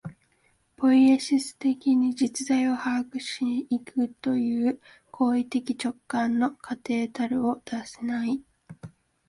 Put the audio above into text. ポイエシス的に実在を把握し行くという行為的直観の過程たるを脱せない。